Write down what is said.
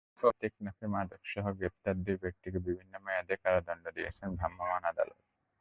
কক্সবাজারের টেকনাফে মাদকসহ গ্রেপ্তার দুই ব্যক্তিকে বিভিন্ন মেয়াদে কারাদণ্ড দিয়েছেন ভ্রাম্যমাণ আদালত।